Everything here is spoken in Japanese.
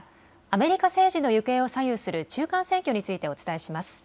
アメリカ政治の行方を左右する中間選挙についてお伝えします。